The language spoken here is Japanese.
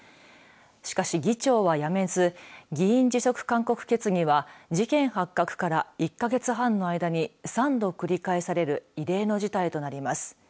しかし、議長は辞めず議員辞職勧告決議は事件発覚から１か月半の間に３度繰り返される異例の事態となります。